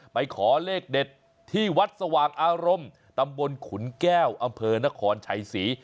ไปขอเลขเด็ดที่วัดสว่างอารมณ์ตำบลขุนแก้วอำเภอนครชัยศรี